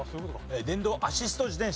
電動アシスト自転車。